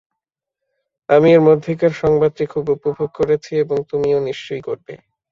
আমি এর মধ্যেকার সংবাদটি খুব উপভোগ করেছি এবং তুমিও নিশ্চয়ই করবে।